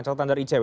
catatan dari icw